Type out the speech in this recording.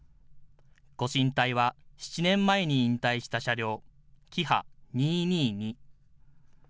ご神体は７年前に引退した車両、キハ２２２。